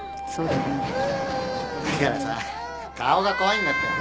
・だからさ顔が怖いんだって。